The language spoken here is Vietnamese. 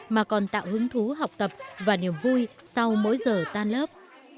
mà còn tạo hứng thú học tập và niềm vui sau mỗi giờ tan lớp